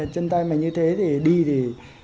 chân tay mà như thế thì đi thì